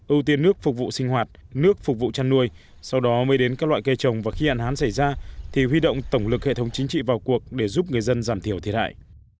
ưu tiên nước phục vụ sinh hoạt nước phục vụ chăn nuôi sau đó mới đến các loại cây trồng và khi hạn hán xảy ra thì huy động tổng lực hệ thống chính trị vào cuộc để giúp người dân giảm thiểu thiệt hại